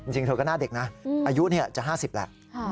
จริงเธอก็หน้าเด็กนะอายุจะ๕๐แล้ว